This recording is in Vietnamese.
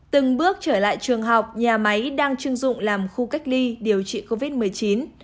từng bước trở lại trường học nhà máy đang chưng dụng làm khu cách ly điều trị covid một mươi chín